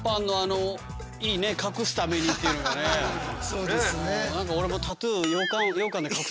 そうですね。